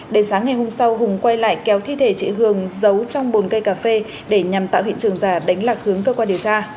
đến sáng ngày hôm sau hùng quay lại kéo thi thể chị hường giấu trong bồn cây cà phê để nhằm tạo hiện trường giả đánh lạc hướng cơ quan điều tra